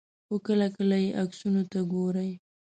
خو کله کله یې عکسونو ته وګورئ.